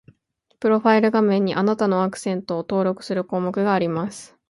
プロファイル画面に、あなたのアクセントを登録する項目があります